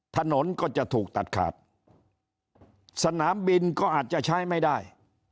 ถนนก็จะถูกตัดขาดสนามบินก็อาจจะใช้ไม่ได้